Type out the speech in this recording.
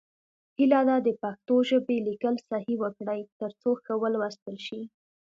هیله ده د پښتو ژبې لیکل صحیح وکړئ، تر څو ښه ولوستل شي.